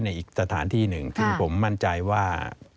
อีกสถานที่หนึ่งซึ่งผมมั่นใจว่า